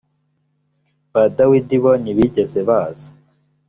ba dawidi bo ntibigeze baza